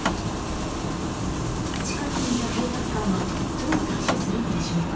近くにいた警察官はどう対処するのでしょうか。